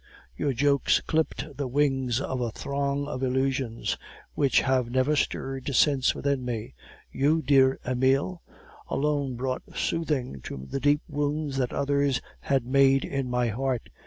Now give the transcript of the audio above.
Your jokes clipped the wings of a throng of illusions, which have never stirred since within me. You, dear Emile, alone brought soothing to the deep wounds that others had made in my heart.